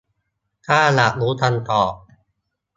ถ้าอยากรู้คำตอบ